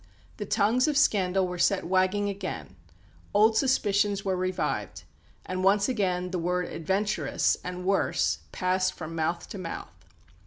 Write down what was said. The tongues of scandal were set wagging again, old suspicions were revived, and once again the word "adventuress" and worse passed from mouth to mouth.